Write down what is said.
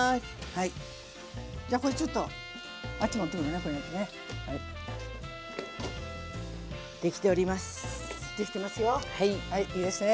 はいいいですね。